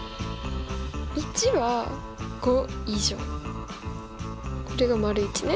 ①は５以上これが①ね。